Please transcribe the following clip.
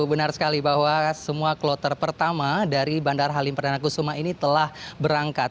benar sekali bahwa semua kloter pertama dari bandara halim perdana kusuma ini telah berangkat